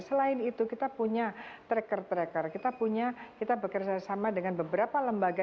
selain itu kita punya tracker tracker kita punya kita bekerjasama dengan beberapa lembaga